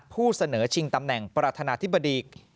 ผู้เสนอชิงตำแหน่งประธานาธิบดี